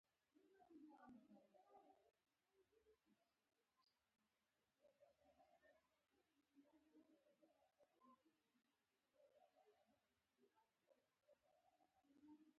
د هغه کتاب نوم برصغیر کې اسلام لومړني نقشونه دی.